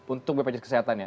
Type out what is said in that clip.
untuk bpjs kesehatan ya